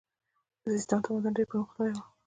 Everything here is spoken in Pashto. د سیستان تمدن ډیر پرمختللی و